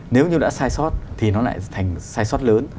nếu như đã sai sót thì nó lại thành sai sót lớn